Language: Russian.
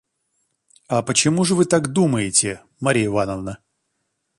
– А почему же вы так думаете, Марья Ивановна?